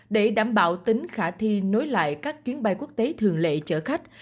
để đảm bảo tính khả thi nối lại các chuyến bay quốc tế thường lệ chở khách